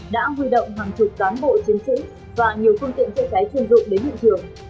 đã huy động hàng chục cán bộ chiến sĩ và nhiều phương tiện xe cháy chuyên dụng đến hiện trường